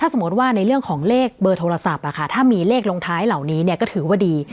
สมมติว่าในเรื่องของเลขเบอร์โทรศัพท์ถ้ามีเลขลงท้ายเหล่านี้ก็ถือว่าดี